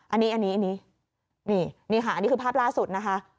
อันนี้อันนี้นี่ค่ะอันนี้คือภาพล่าสุดนะคะ